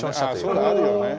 そういうのあるよね。